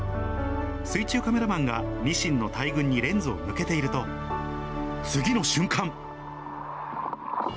水中カメラマンがニシンの大群にレンズを向けていると、次の瞬間。